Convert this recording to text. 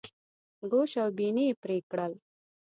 ګوش او بیني یې پرې کړل.